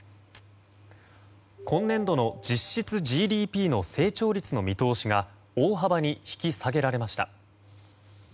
今年度の実質ＧＤＰの成長率の見通しが大幅に引き下げられました。